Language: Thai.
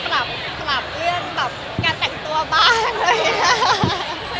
ก็อาจจะมีการปรับเอื่อนการแต่งตัวบ้างเลย